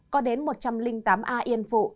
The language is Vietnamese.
có đến một trăm linh tám a yên phụ